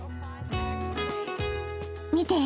見て。